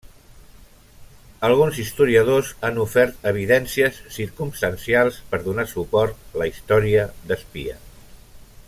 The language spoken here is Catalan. Alguns historiadors han ofert evidències circumstancials per donar suport la història d'espia.